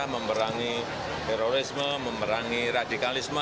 memerangi terorisme memerangi radikalisme